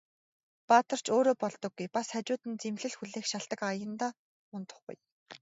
Баатар ч өөрөө болдоггүй, бас хажууд нь зэмлэл хүлээх шалтаг аяндаа мундахгүй.